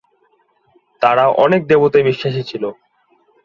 তারা অনেক দেবতায় বিশ্বাসী ছিল।